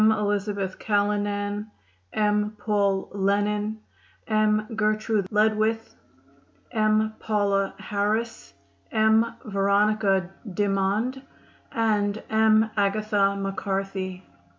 Elizabeth Callanan, M. Paul Lennon, M. Gertrude Ledwith, M. Paula Harris, M. Veronica Dimond and M. Agatha MacCarthy.